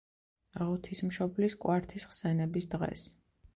ღვთისმშობლის კვართის ხსენების დღეს.